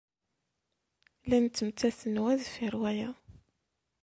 Llan ttmettaten wa deffir wayeḍ.